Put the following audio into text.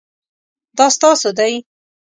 دا ستاسو دی؟